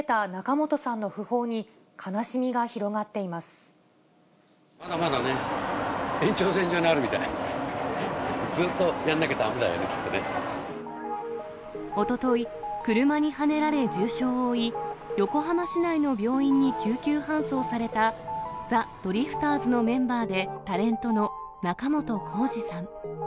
ずっとやんなきゃだめだよね、おととい、車にはねられ重傷を負い、横浜市内の病院に救急搬送された、ザ・ドリフターズのメンバーでタレントの仲本工事さん。